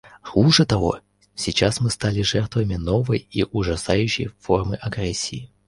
Хуже того — сейчас мы стали жертвами новой и ужасающей формы агрессии.